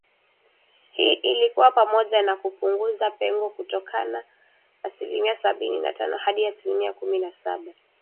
Hii ilikuwa pamoja na kupunguza pengo kutoka asilimia sabini na tano hadi asilimia kumi na saba mwishoni mwa kipindi hicho